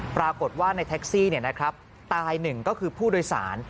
ปรากฏว่าในแท็กซี่เนี่ยนะครับตาย๑ก็คือผู้โดยสาร